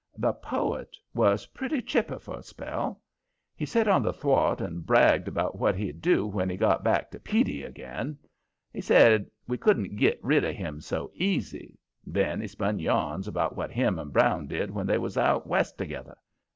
The poet was pretty chipper for a spell. He set on the thwart and bragged about what he'd do when he got back to "Petey" again. He said we couldn't git rid of him so easy. Then he spun yarns about what him and Brown did when they was out West together.